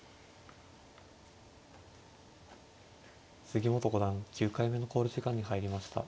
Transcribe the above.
杉本五段９回目の考慮時間に入りました。